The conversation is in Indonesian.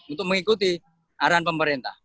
untuk mengikuti arahan pemerintah